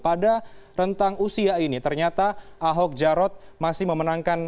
pada rentang usia ini ternyata ahok jarot masih memenangkan